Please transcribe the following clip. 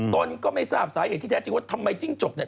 ตนก็ไม่ทราบสาเหตุที่แท้จริงว่าทำไมจิ้งจกเนี่ย